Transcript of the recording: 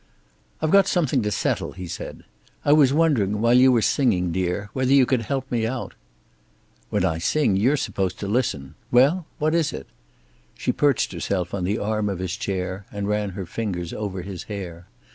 "I've got something to settle," he said. "I was wondering while you were singing, dear, whether you could help me out." "When I sing you're supposed to listen. Well? What is it?" She perched herself on the arm of his chair, and ran her fingers over his hair.